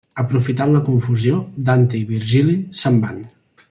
Aprofitant la confusió, Dante i Virgili se'n van.